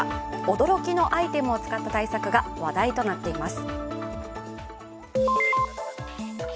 驚きのアイテムを使った対策が話題となっています。